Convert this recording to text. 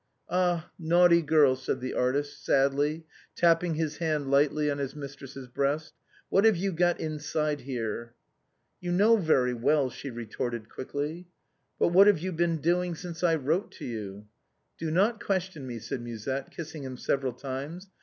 " Ah, naughty girl," said the artist, sadly, tapping his hand lightly on his mistress's breast, "what have you got inside here ?"" You know very well," she retorted quickly. " But what have you been doing since I wrote to you ?"" Do not question me," said Musette, kissing him several times.